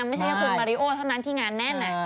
ไม่ใช่แค่คุณมาริโอเท่านั้นที่งานแน่น